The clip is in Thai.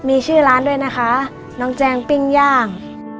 มีชื่อร้านด้วยนะคะน้องแจงปิ้งย่าง